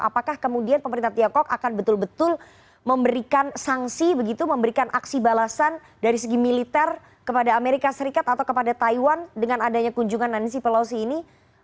apakah kemudian pemerintah tiongkok akan betul betul memberikan sanksi begitu memberikan aksi balasan dari segi militer kepada amerika serikat atau kepada taiwan dengan adanya kunjungan nanc pelosi ini